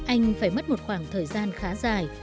anh phải mất một khoảng thời gian khá dài